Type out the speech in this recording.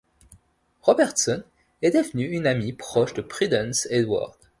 Robertson est devenu une amie proche de Prudence Heward.